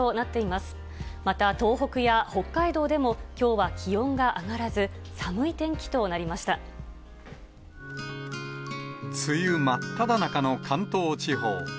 また、東北や北海道でも、きょうは気温が上がらず、寒い天気となりまし梅雨真っただ中の関東地方。